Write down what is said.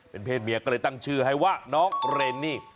เป็นเพศเมียก็เลยตั้งชื่อให้ว่าน้องเรนนี่